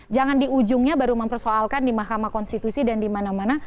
jangan di ujungnya baru mempersoalkan di mahkamah konstitusi dan di mana mana